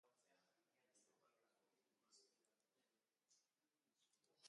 Aztertzeko moduko gertakaria da bizi-maila handiena duten herrialdeetan muturreko eskuina indartzen aritzea.